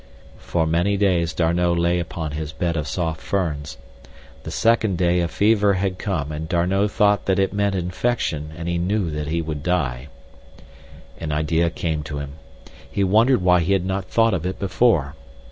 For many days D'Arnot lay upon his bed of soft ferns. The second day a fever had come and D'Arnot thought that it meant infection and he knew that he would die. An idea came to him. He wondered why he had not thought of it before.